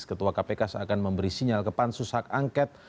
ketua kpk seakan memberi sinyal ke pansus hak angket